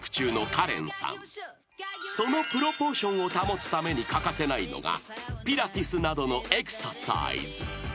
［そのプロポーションを保つために欠かせないのがピラティスなどのエクササイズ］